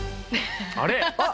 あれ？